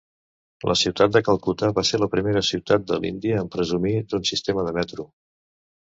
La ciutat de Calcuta va ser la primera ciutat de l'Índia en presumir d'un sistema de metro.